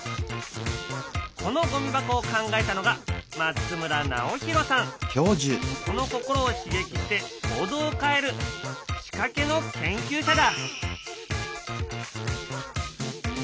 このゴミ箱を考えたのが人の心を刺激して行動を変える仕掛けの研究者だ。